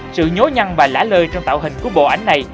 sự nhố nhăn và lã lơi trong tạo hình của bộ ảnh này